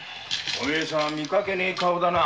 お前さん見かけねえ顔だな。